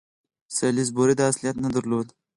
سالیزبوري دا صلاحیت نه درلود.